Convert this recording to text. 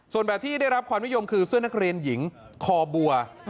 ส่วนแบบที่ได้รับความนิยมคือเสื้อนักเรียนหญิงคอบัว